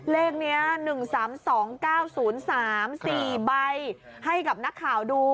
เลขเนี้ยหนึ่งสามสองเก้าศูนย์สามสี่ใบค่ะให้กับนักข่าวดู